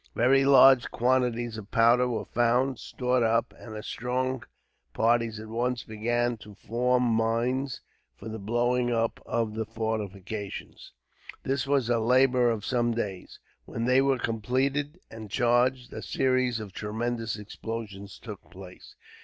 Very large quantities of powder were found, stored up, and strong parties at once began to form mines, for the blowing up of the fortifications. This was a labour of some days. When they were completed and charged, a series of tremendous explosions took place.